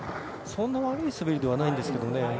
そんなに悪い滑りではないんですけどね。